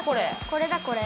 これだこれ。